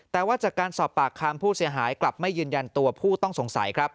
แต่ว่าจากการสอบปากคำผู้เสียหายกลับไม่ยืนยันตัวผู้ต้องสงสัยครับ